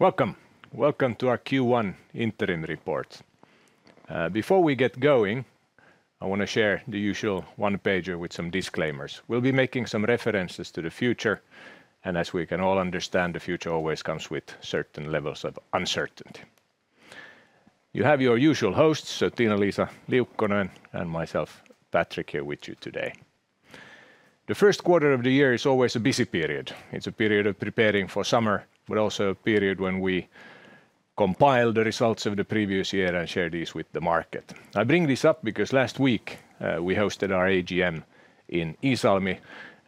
Welcome. Welcome to our Q1 interim report. Before we get going, I want to share the usual one-pager with some disclaimers. We'll be making some references to the future, and as we can all understand, the future always comes with certain levels of uncertainty. You have your usual hosts, so Tiina-Liisa Liukkonen and myself, Patrik, here with you today. The first quarter of the year is always a busy period. It's a period of preparing for summer, but also a period when we compile the results of the previous year and share these with the market. I bring this up because last week we hosted our AGM in Iisalmi,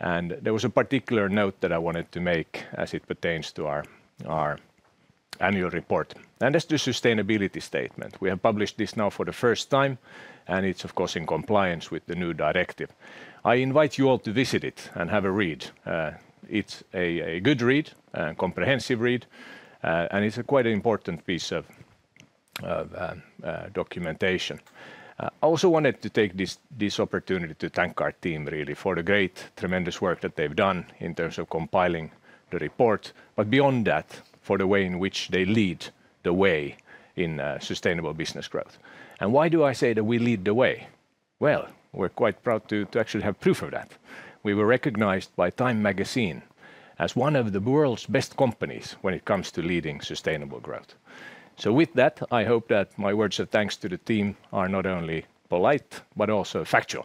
and there was a particular note that I wanted to make as it pertains to our annual report. That's the sustainability statement. We have published this now for the first time, and it is, of course, in compliance with the new directive. I invite you all to visit it and have a read. It is a good read, a comprehensive read, and it is a quite important piece of documentation. I also wanted to take this opportunity to thank our team, really, for the great, tremendous work that they have done in terms of compiling the report, but beyond that, for the way in which they lead the way in sustainable business growth. Why do I say that we lead the way? We are quite proud to actually have proof of that. We were recognized by Time Magazine as one of the world's best companies when it comes to leading sustainable growth. With that, I hope that my words of thanks to the team are not only polite, but also factual,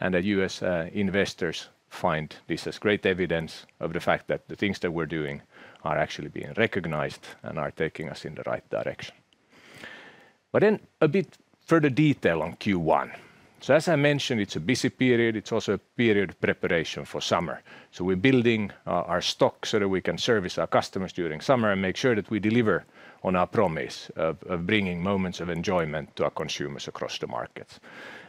and that U.S. Investors find this as great evidence of the fact that the things that we're doing are actually being recognized and are taking us in the right direction. A bit further detail on Q1. As I mentioned, it's a busy period. It's also a period of preparation for summer. We're building our stock so that we can service our customers during summer and make sure that we deliver on our promise of bringing moments of enjoyment to our consumers across the markets.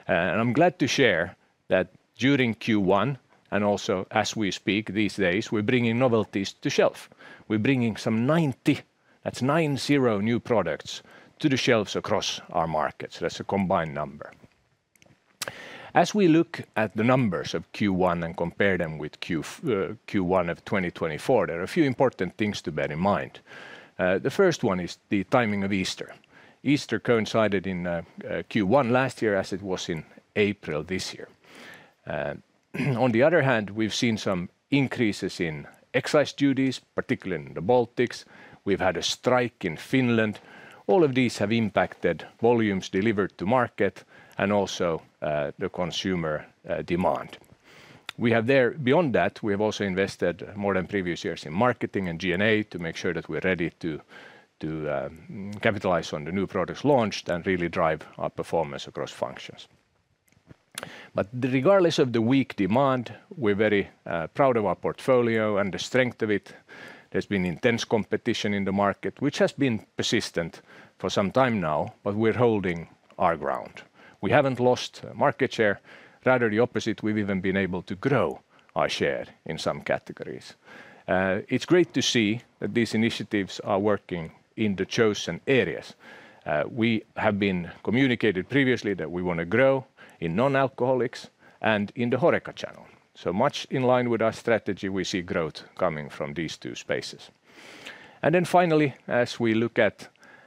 I'm glad to share that during Q1, and also as we speak these days, we're bringing novelties to shelf. We're bringing some 90, that's nine-zero, new products to the shelves across our markets. That's a combined number. As we look at the numbers of Q1 and compare them with Q1 of 2024, there are a few important things to bear in mind. The first one is the timing of Easter. Easter coincided in Q1 last year as it was in April this year. On the other hand, we've seen some increases in excise duties, particularly in the Baltics. We've had a strike in Finland. All of these have impacted volumes delivered to market and also the consumer demand. Beyond that, we have also invested more than previous years in marketing and G&A to make sure that we're ready to capitalize on the new products launched and really drive our performance across functions. Regardless of the weak demand, we're very proud of our portfolio and the strength of it. There's been intense competition in the market, which has been persistent for some time now, but we're holding our ground. We haven't lost market share. Rather, the opposite. We've even been able to grow our share in some categories. It's great to see that these initiatives are working in the chosen areas. We have been communicated previously that we want to grow in non-alcoholics and in the HoReCa channel. Much in line with our strategy, we see growth coming from these two spaces. Finally, as we look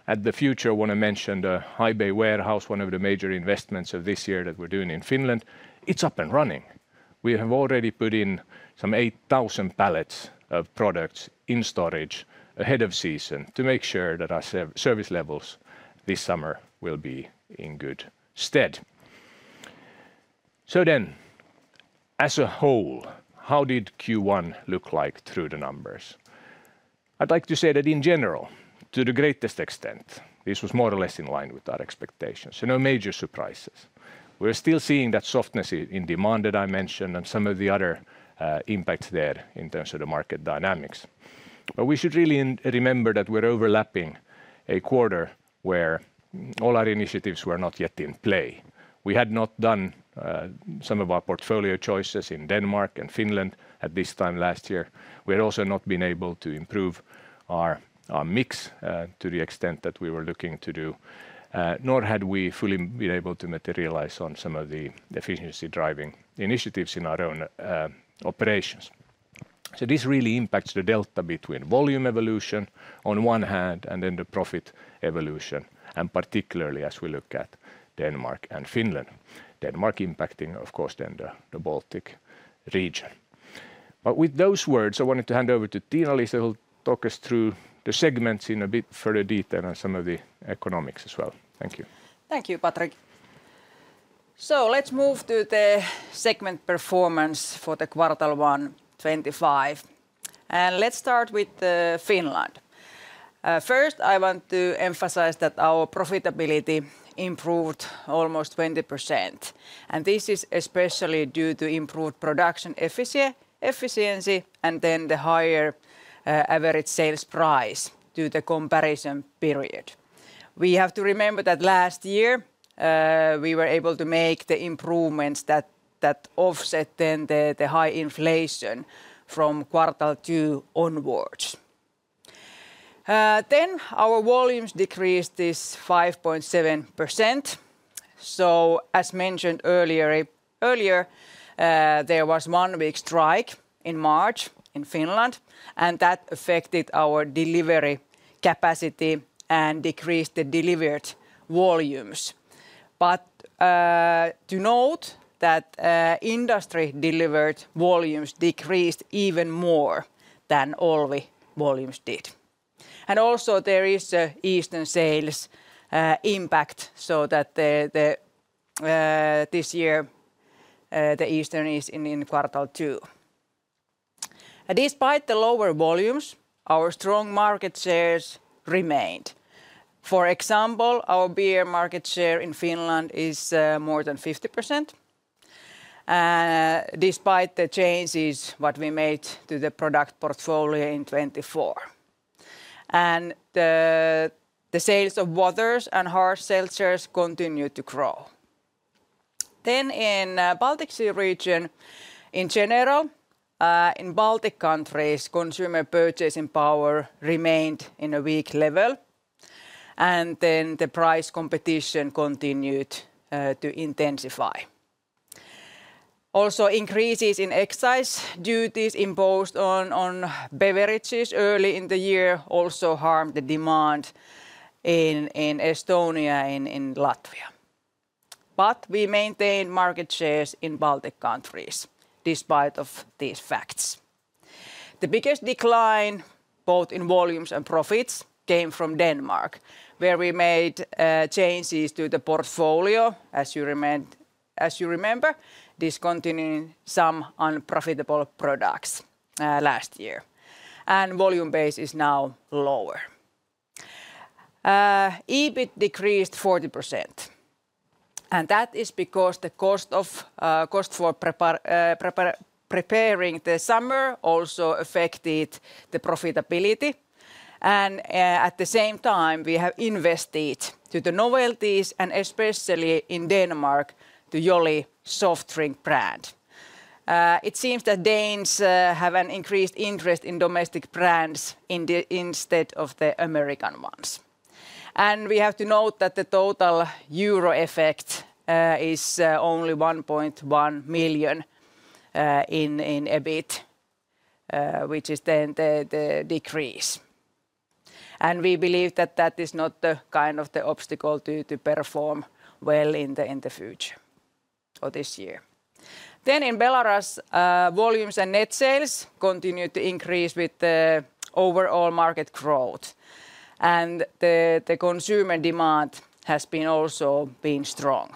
at the future, I want to mention the high-bay warehouse, one of the major investments of this year that we're doing in Finland. It's up and running. We have already put in some 8,000 pallets of products in storage ahead of season to make sure that our service levels this summer will be in good stead. As a whole, how did Q1 look like through the numbers? I'd like to say that in general, to the greatest extent, this was more or less in line with our expectations. No major surprises. We're still seeing that softness in demand that I mentioned and some of the other impacts there in terms of the market dynamics. We should really remember that we're overlapping a quarter where all our initiatives were not yet in play. We had not done some of our portfolio choices in Denmark and Finland at this time last year. We had also not been able to improve our mix to the extent that we were looking to do, nor had we fully been able to materialize on some of the efficiency-driving initiatives in our own operations. This really impacts the delta between volume evolution on one hand and then the profit evolution, and particularly as we look at Denmark and Finland. Denmark impacting, of course, then the Baltic region. With those words, I wanted to hand over to Tiina-Liisa, who will talk us through the segments in a bit further detail and some of the economics as well. Thank you. Thank you, Patrik. Let's move to the segment performance for quarter one 2025. Let's start with Finland. First, I want to emphasize that our profitability improved almost 20%. This is especially due to improved production efficiency and the higher average sales price due to the comparison period. We have to remember that last year we were able to make the improvements that offset the high inflation from quarter two onwards. Our volumes decreased 5.7%. As mentioned earlier, there was a one-week strike in March in Finland, and that affected our delivery capacity and decreased the delivered volumes. To note, industry delivered volumes decreased even more than Olvi volumes did. Also, there is an Easter sales impact so that this year Easter is in quarter two. Despite the lower volumes, our strong market shares remained. For example, our beer market share in Finland is more than 50% despite the changes we made to the product portfolio in 2024. The sales of waters and hard seltzers continue to grow. In the Baltic Sea region in general, in Baltic countries, consumer purchasing power remained at a weak level, and the price competition continued to intensify. Also, increases in excise duties imposed on beverages early in the year harmed the demand in Estonia and in Latvia. We maintained market shares in Baltic countries despite these facts. The biggest decline both in volumes and profits came from Denmark, where we made changes to the portfolio, as you remember, discontinuing some unprofitable products last year. The volume base is now lower. EBIT decreased 40%. That is because the cost for preparing the summer also affected the profitability. At the same time, we have invested to the novelties and especially in Denmark to Jolly soft drink brand. It seems that Danes have an increased interest in domestic brands instead of the American ones. We have to note that the total 1.1 million effect in EBIT is the decrease. We believe that that is not the kind of obstacle to perform well in the future or this year. In Belarus, volumes and net sales continued to increase with the overall market growth. The consumer demand has also been strong.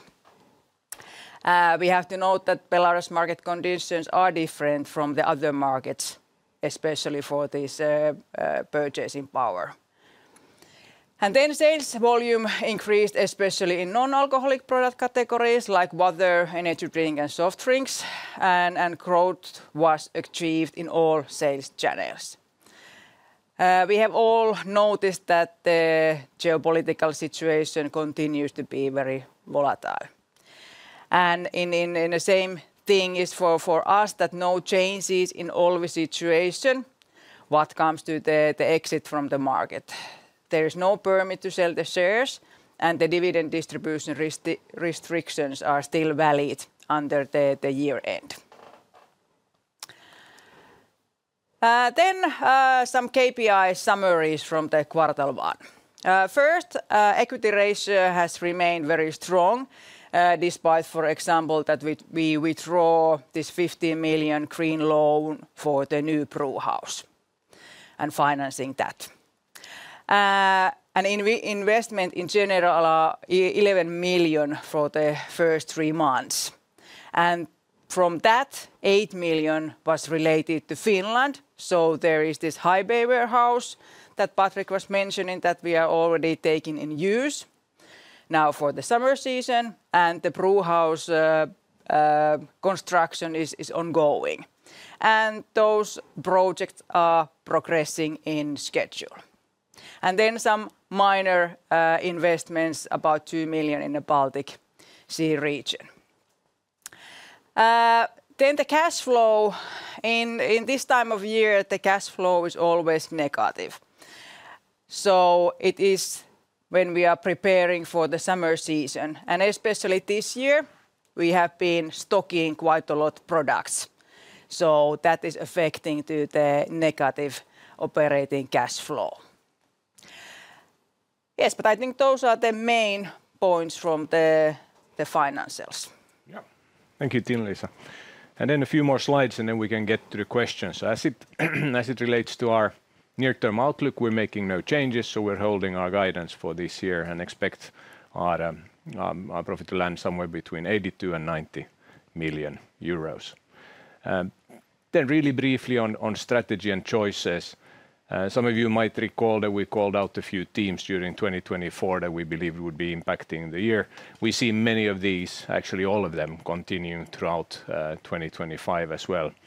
We have to note that Belarus market conditions are different from the other markets, especially for this purchasing power. Sales volume increased, especially in non-alcoholic product categories like water, energy drinks, and soft drinks, and growth was achieved in all sales channels. We have all noticed that the geopolitical situation continues to be very volatile. The same thing is for us that no changes in all the situation what comes to the exit from the market. There is no permit to sell the shares, and the dividend distribution restrictions are still valid under the year-end. Some KPI summaries from the quarter one. First, equity ratio has remained very strong despite, for example, that we withdraw this 15 million green loan for the new brewhouse and financing that. Investment in general are 11 million for the first three months. From that, 8 million was related to Finland. There is this high-bay warehouse that Patrik was mentioning that we are already taking in use now for the summer season, and the brewhouse construction is ongoing. Those projects are progressing in schedule. There were some minor investments, about 2 million in the Baltic Sea region. The cash flow in this time of year is always negative. It is when we are preparing for the summer season. Especially this year, we have been stocking quite a lot of products. That is affecting the negative operating cash flow. I think those are the main points from the financials. Yeah. Thank you, Tiina-Liisa. A few more slides,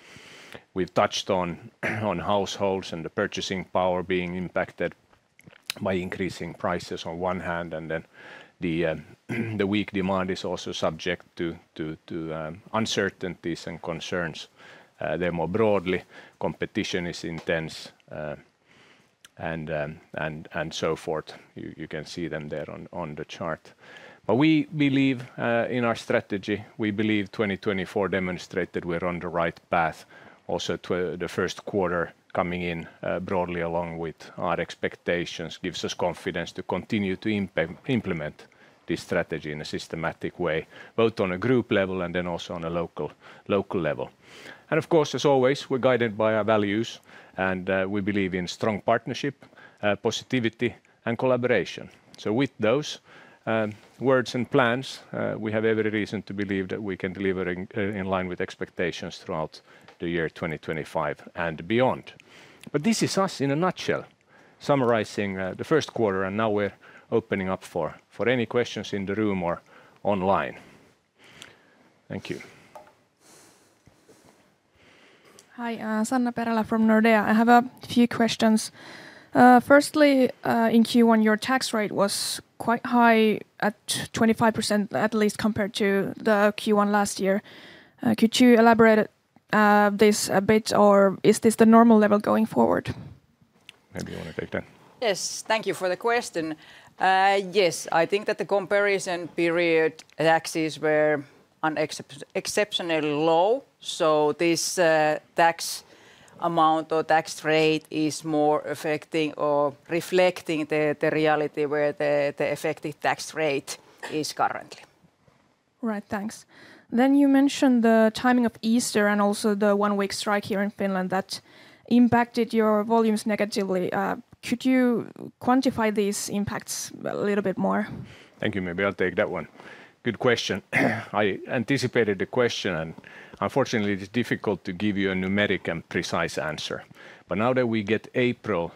this strategy in a systematic way, both on a group level and then also on a local level. Of course, as always, we're guided by our values, and we believe in strong partnership, positivity, and collaboration. With those words and plans, we have every reason to believe that we can deliver in line with expectations throughout the year 2025 and beyond. This is us in a nutshell summarizing the first quarter, and now we're opening up for any questions in the room or online. Thank you. Hi, Sanna Perälä from Nordea. I have a few questions. Firstly, in Q1, your tax rate was quite high at 25%, at least compared to the Q1 last year. Could you elaborate this a bit, or is this the normal level going forward? Maybe you want to take that. Yes, thank you for the question. Yes, I think that the comparison period taxes were exceptionally low, so this tax amount or tax rate is more affecting or reflecting the reality where the effective tax rate is currently. Right, thanks. You mentioned the timing of Easter and also the one-week strike here in Finland that impacted your volumes negatively. Could you quantify these impacts a little bit more? Thank you. Maybe I'll take that one. Good question. I anticipated the question, and unfortunately, it's difficult to give you a numeric and precise answer. Now that we get April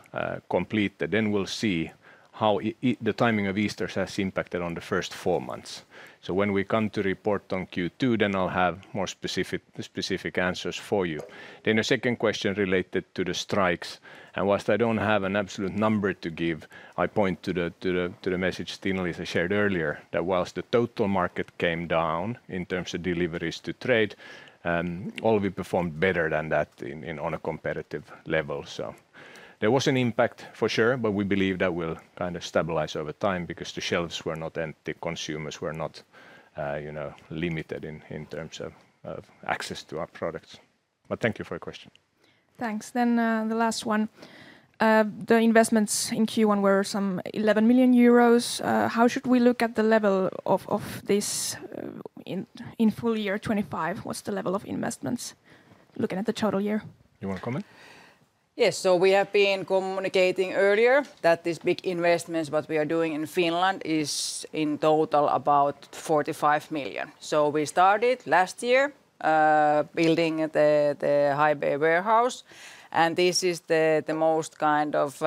complete, then we'll see how the timing of Easter has impacted on the first four months. When we come to report on Q2, then I'll have more specific answers for you. A second question related to the strikes. Whilst I don't have an absolute number to give, I point to the message Tiina-Liisa shared earlier that whilst the total market came down in terms of deliveries to trade, Olvi performed better than that on a competitive level. There was an impact for sure, but we believe that will kind of stabilize over time because the shelves were not empty, consumers were not limited in terms of access to our products. Thank you for your question. Thanks. Then the last one. The investments in Q1 were some 11 million euros. How should we look at the level of this in full year 2025? What's the level of investments looking at the total year? You want to comment? Yes. We have been communicating earlier that these big investments what we are doing in Finland is in total about 45 million. We started last year building the high-bay warehouse, and this is the most kind of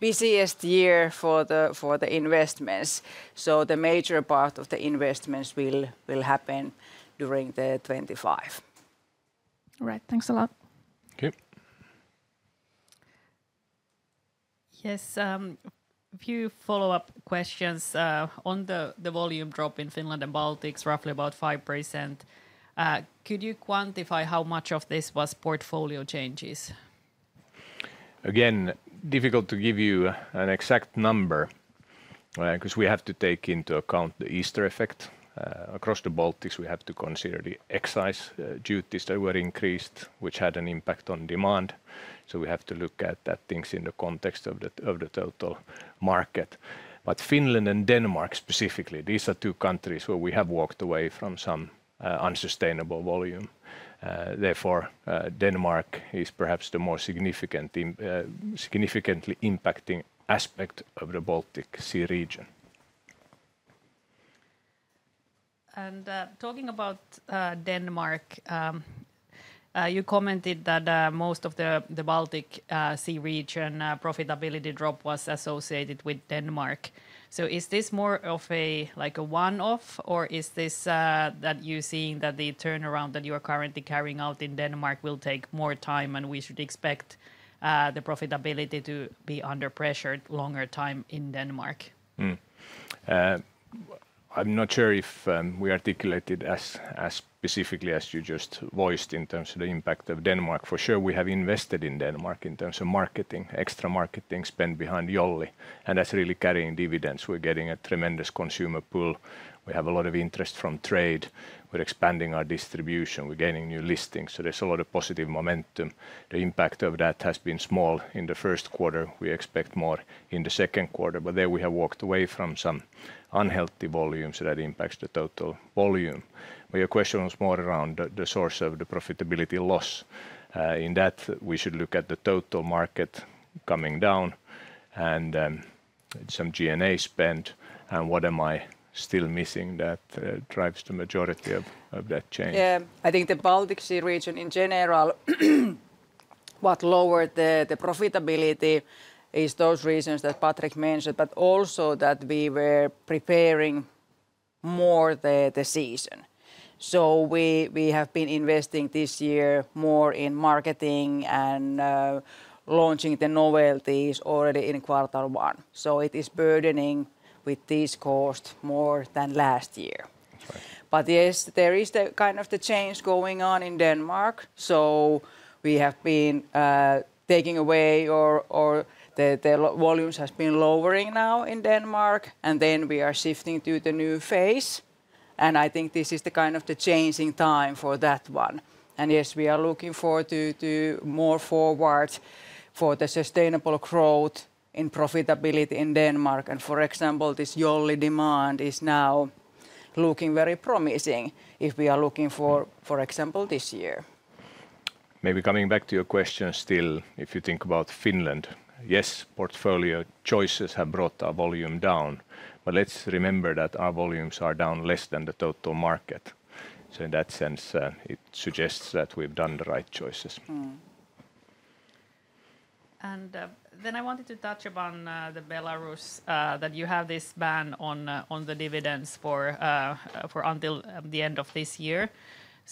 busiest year for the investments. The major part of the investments will happen during 2025. All right, thanks a lot. Okay. Yes, a few follow-up questions on the volume drop in Finland and Baltics, roughly about 5%. Could you quantify how much of this was portfolio changes? Again, difficult to give you an exact number because we have to take into account the Easter effect. Across the Baltics, we have to consider the excise duties that were increased, which had an impact on demand. We have to look at things in the context of the total market. Finland and Denmark specifically, these are two countries where we have walked away from some unsustainable volume. Therefore, Denmark is perhaps the more significantly impacting aspect of the Baltic Sea region. Talking about Denmark, you commented that most of the Baltic Sea region profitability drop was associated with Denmark. Is this more of a one-off, or is this that you're seeing that the turnaround that you are currently carrying out in Denmark will take more time and we should expect the profitability to be under pressure longer time in Denmark? I'm not sure if we articulated as specifically as you just voiced in terms of the impact of Denmark. For sure, we have invested in Denmark in terms of marketing, extra marketing spend behind Jolly, and that's really carrying dividends. We're getting a tremendous consumer pool. We have a lot of interest from trade. We're expanding our distribution. We're getting new listings. There is a lot of positive momentum. The impact of that has been small in the first quarter. We expect more in the second quarter. There we have walked away from some unhealthy volumes that impact the total volume. Your question was more around the source of the profitability loss. In that, we should look at the total market coming down and some G&A spend. What am I still missing that drives the majority of that change? Yeah, I think the Baltic Sea region in general, what lowered the profitability is those reasons that Patrik mentioned, but also that we were preparing more the season. We have been investing this year more in marketing and launching the novelties already in quarter one. It is burdening with these costs more than last year. Yes, there is the kind of the change going on in Denmark. We have been taking away or the volumes have been lowering now in Denmark, and we are shifting to the new phase. I think this is the kind of the changing time for that one. Yes, we are looking forward to more forward for the sustainable growth in profitability in Denmark. For example, this Jolly demand is now looking very promising if we are looking for, for example, this year. Maybe coming back to your question still, if you think about Finland, yes, portfolio choices have brought our volume down, but let's remember that our volumes are down less than the total market. In that sense, it suggests that we've done the right choices. I wanted to touch upon the Belarus that you have this ban on the dividends for until the end of this year.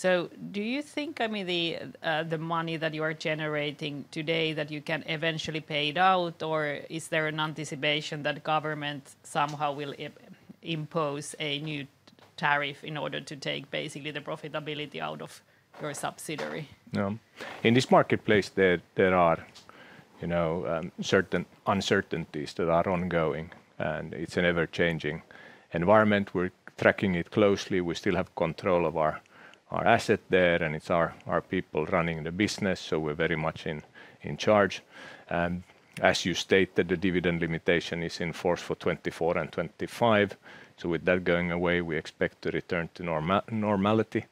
Do you think, I mean, the money that you are generating today that you can eventually pay it out, or is there an anticipation that government somehow will impose a new tariff in order to take basically the profitability out of your subsidiary? No. In this marketplace, there are certain uncertainties that are ongoing, and it's an ever-changing environment. We're tracking it closely. We still have control of our asset there, and it's our people running the business, so we're very much in charge. As you stated, the dividend limitation is in force for 2024 and 2025. With that going away, we expect to return to normality.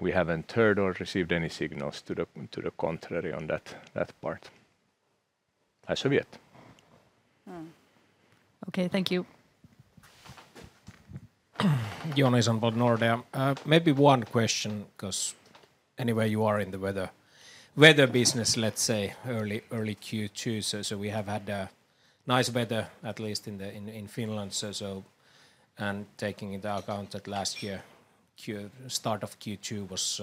We haven't heard or received any signals to the contrary on that part. That's all yet. Okay, thank you. Maybe one question because anyway you are in the weather business, let's say, early Q2. We have had nice weather at least in Finland. Taking into account that last year, start of Q2 was,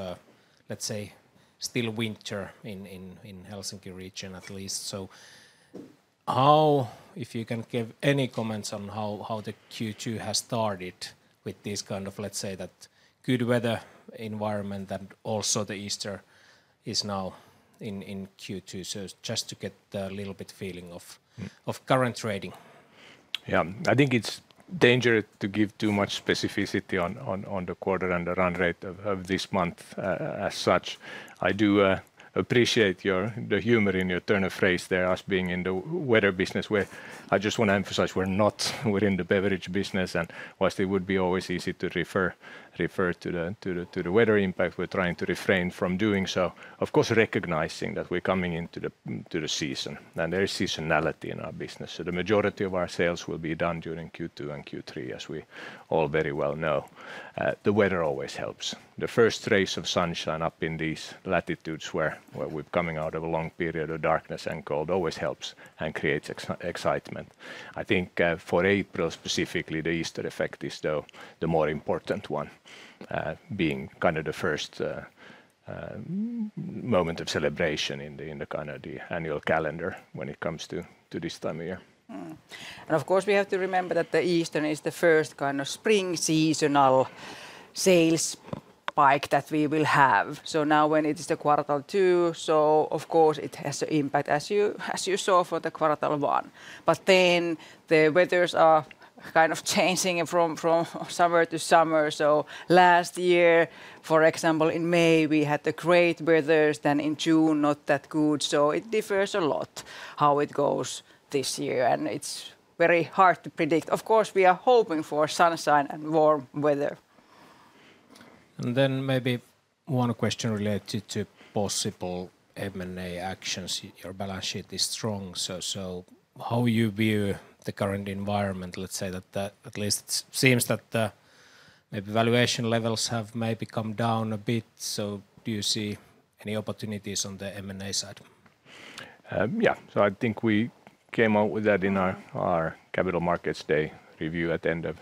let's say, still winter in Helsinki region at least. How, if you can give any comments on how the Q2 has started with this kind of, let's say, that good weather environment and also the Easter is now in Q2? Just to get a little bit feeling of current trading. Yeah. I think it's dangerous to give too much specificity on the quarter and the run rate of this month as such. I do appreciate the humor in your turn of phrase there as being in the weather business, where I just want to emphasize we're not, we're in the beverage business, and whilst it would be always easy to refer to the weather impact, we're trying to refrain from doing so. Of course, recognizing that we're coming into the season, and there is seasonality in our business. The majority of our sales will be done during Q2 and Q3, as we all very well know. The weather always helps. The first rays of sunshine up in these latitudes where we're coming out of a long period of darkness and cold always helps and creates excitement. I think for April specifically, the Easter effect is the more important one, being kind of the first moment of celebration in the kind of the annual calendar when it comes to this time of year. Of course, we have to remember that the Easter is the first kind of spring seasonal sales spike that we will have. Now when it is the quarter two, it has an impact as you saw for the quarter one. The weathers are kind of changing from summer to summer. Last year, for example, in May, we had the great weathers, then in June, not that good. It differs a lot how it goes this year, and it's very hard to predict. Of course, we are hoping for sunshine and warm weather. Maybe one question related to possible M&A actions. Your balance sheet is strong. How do you view the current environment? Let's say that at least it seems that maybe valuation levels have maybe come down a bit. Do you see any opportunities on the M&A side? Yeah. I think we came out with that in our capital markets day review at the end of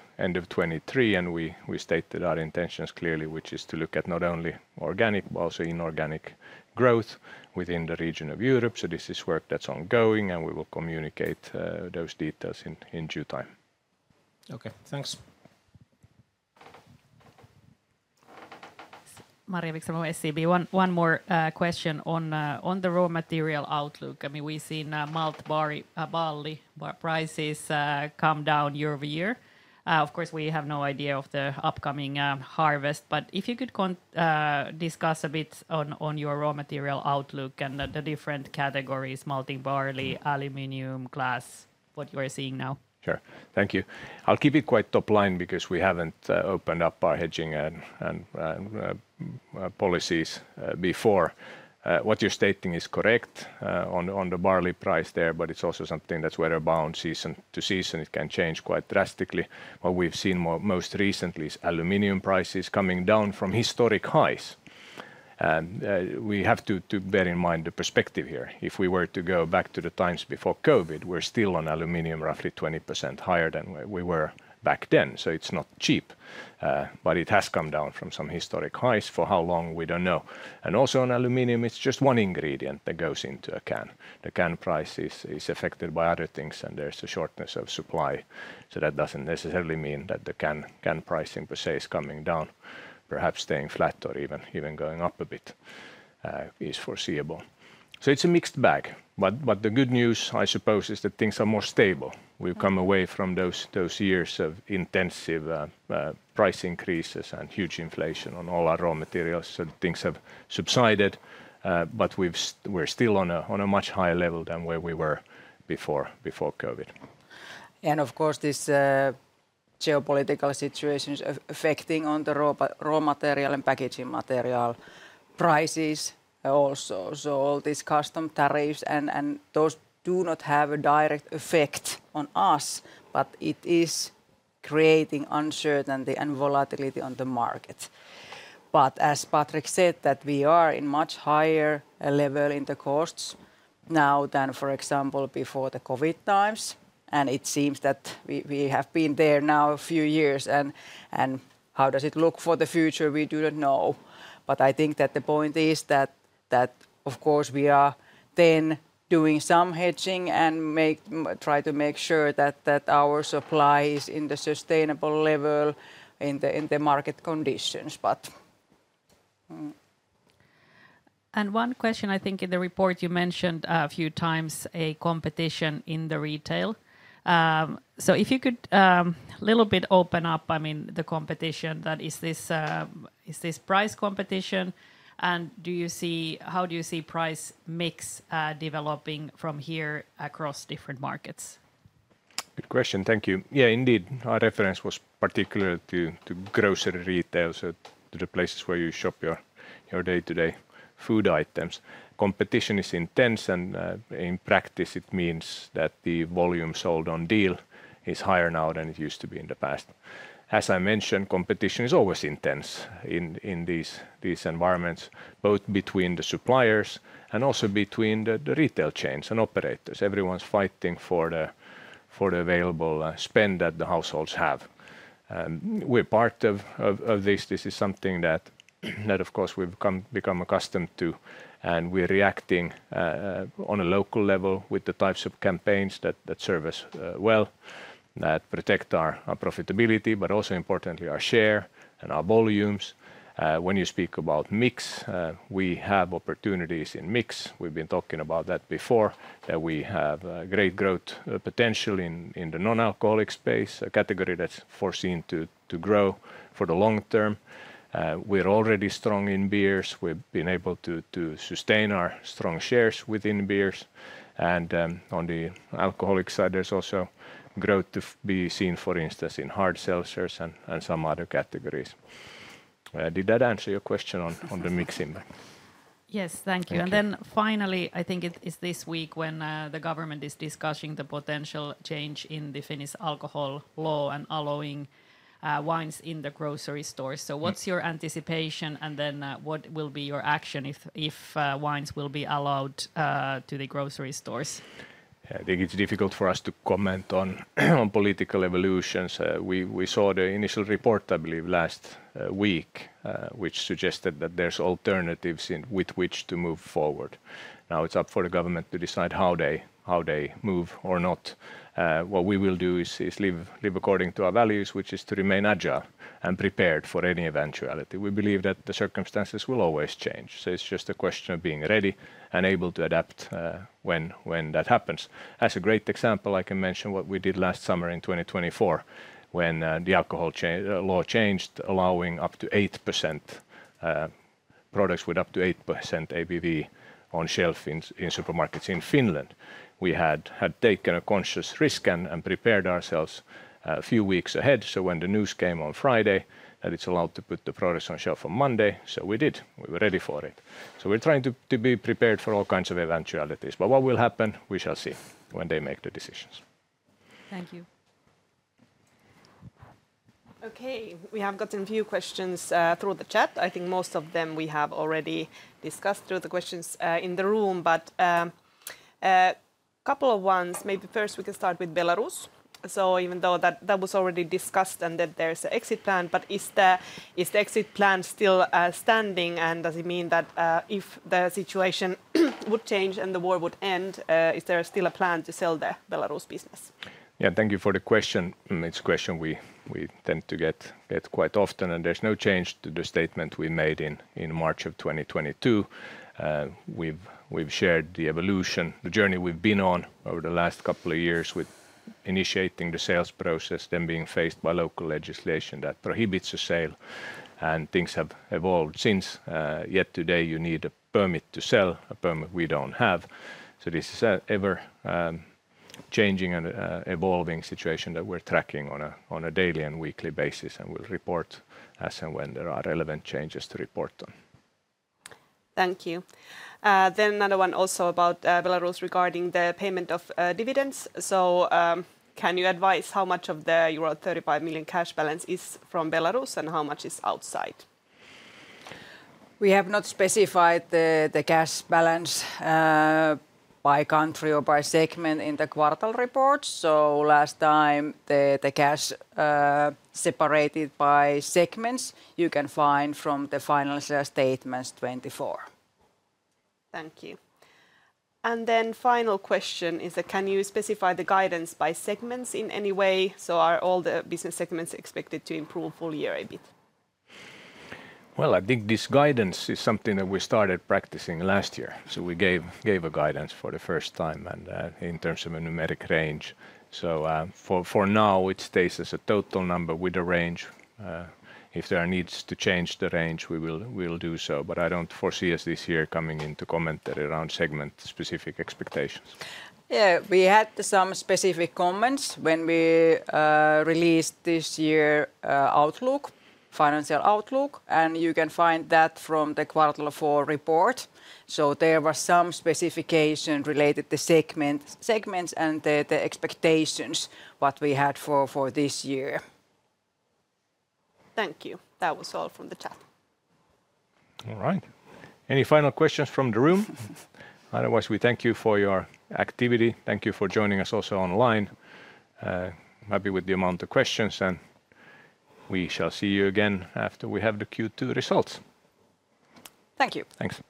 2023, and we stated our intentions clearly, which is to look at not only organic but also inorganic growth within the region of Europe. This is work that's ongoing, and we will communicate those details in due time. Okay, thanks. Maria Wikström from SEB. One more question on the raw material outlook. I mean, we've seen malt barley prices come down year over year. Of course, we have no idea of the upcoming harvest, but if you could discuss a bit on your raw material outlook and the different categories, malted barley, aluminum, glass, what you are seeing now. Sure, thank you. I'll keep it quite top line because we haven't opened up our hedging and policies before. What you're stating is correct on the barley price there, but it's also something that's weather-bound. Season to season, it can change quite drastically. What we've seen most recently is aluminum prices coming down from historic highs. We have to bear in mind the perspective here. If we were to go back to the times before COVID, we're still on aluminum roughly 20% higher than we were back then. It is not cheap, but it has come down from some historic highs. For how long, we don't know. Also on aluminum, it's just one ingredient that goes into a can. The can price is affected by other things, and there's a shortness of supply. That doesn't necessarily mean that the can pricing per se is coming down. Perhaps staying flat or even going up a bit is foreseeable. It is a mixed bag. The good news, I suppose, is that things are more stable. We have come away from those years of intensive price increases and huge inflation on all our raw materials. Things have subsided, but we are still on a much higher level than where we were before COVID. Of course, this geopolitical situation is affecting the raw material and packaging material prices also. All these customs tariffs do not have a direct effect on us, but it is creating uncertainty and volatility in the market. As Patrik said, we are at a much higher level in the costs now than, for example, before the COVID times. It seems that we have been there now a few years. How does it look for the future? We do not know. I think that the point is that, of course, we are then doing some hedging and try to make sure that our supply is at a sustainable level in the market conditions. One question, I think in the report you mentioned a few times a competition in the retail. If you could a little bit open up, I mean, the competition, that is this price competition, and do you see, how do you see price mix developing from here across different markets? Good question, thank you. Yeah, indeed, our reference was particularly to grocery retail, so to the places where you shop your day-to-day food items. Competition is intense, and in practice, it means that the volume sold on deal is higher now than it used to be in the past. As I mentioned, competition is always intense in these environments, both between the suppliers and also between the retail chains and operators. Everyone's fighting for the available spend that the households have. We're part of this. This is something that, of course, we've become accustomed to, and we're reacting on a local level with the types of campaigns that serve us well, that protect our profitability, but also importantly, our share and our volumes. When you speak about mix, we have opportunities in mix. We've been talking about that before, that we have great growth potential in the non-alcoholic space, a category that's foreseen to grow for the long term. We're already strong in beers. We've been able to sustain our strong shares within beers. On the alcoholic side, there's also growth to be seen, for instance, in hard seltzers and some other categories. Did that answer your question on the mixing? Yes, thank you. Finally, I think it is this week when the government is discussing the potential change in the Finnish alcohol law and allowing wines in the grocery stores. What is your anticipation, and what will be your action if wines will be allowed to the grocery stores? I think it's difficult for us to comment on political evolutions. We saw the initial report, I believe, last week, which suggested that there's alternatives with which to move forward. Now it's up for the government to decide how they move or not. What we will do is live according to our values, which is to remain agile and prepared for any eventuality. We believe that the circumstances will always change. It's just a question of being ready and able to adapt when that happens. As a great example, I can mention what we did last summer in 2024, when the alcohol law changed, allowing up to 8% products with up to 8% ABV on shelf in supermarkets in Finland. We had taken a conscious risk and prepared ourselves a few weeks ahead. When the news came on Friday that it's allowed to put the products on shelf on Monday, we did. We were ready for it. We're trying to be prepared for all kinds of eventualities. What will happen, we shall see when they make the decisions. Thank you. Okay, we have gotten a few questions through the chat. I think most of them we have already discussed through the questions in the room, but a couple of ones, maybe first we can start with Belarus. Even though that was already discussed and that there's an exit plan, is the exit plan still standing? Does it mean that if the situation would change and the war would end, is there still a plan to sell the Belarus business? Yeah, thank you for the question. It's a question we tend to get quite often, and there's no change to the statement we made in March of 2022. We've shared the evolution, the journey we've been on over the last couple of years with initiating the sales process, then being faced by local legislation that prohibits a sale. Things have evolved since. Yet today, you need a permit to sell, a permit we don't have. This is an ever-changing and evolving situation that we're tracking on a daily and weekly basis, and we'll report as and when there are relevant changes to report on. Thank you. Another one also about Belarus regarding the payment of dividends. Can you advise how much of the euro 35 million cash balance is from Belarus and how much is outside? We have not specified the cash balance by country or by segment in the quarter report. Last time, the cash separated by segments you can find from the financial statements 2024. Thank you. Final question is, can you specify the guidance by segments in any way? Are all the business segments expected to improve full year EBIT? I think this guidance is something that we started practicing last year. We gave a guidance for the first time in terms of a numeric range. For now, it stays as a total number with a range. If there are needs to change the range, we will do so. I do not foresee us this year coming in to comment around segment-specific expectations. Yeah, we had some specific comments when we released this year's outlook, financial outlook, and you can find that from the quarter four report. There was some specification related to segments and the expectations what we had for this year. Thank you. That was all from the chat. All right. Any final questions from the room? Otherwise, we thank you for your activity. Thank you for joining us also online. Happy with the amount of questions, and we shall see you again after we have the Q2 results. Thank you. Thanks.